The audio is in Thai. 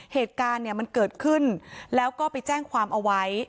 เหตุการณ์เนี่ยมันเกิดขึ้นแล้วก็ไปแจ้งความเอาไว้